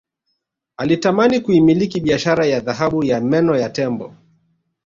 Alitamani kuimiliki biashara ya dhahabu na meno ya tembo